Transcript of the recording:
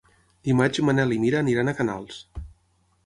Dimarts en Manel i na Mira iran a Canals.